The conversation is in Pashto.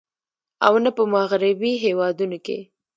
او نۀ په مغربي هېوادونو کښې